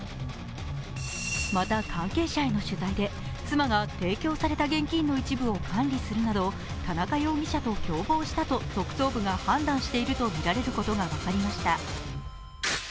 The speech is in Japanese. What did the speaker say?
また、関係者への取材で、妻が提供された現金の一部を管理するなど田中容疑者と共謀したと特捜部が判断したとみられていることが分かりました。